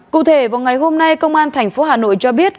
cụ thể vào ngày hôm nay công an tp hà nội cho biết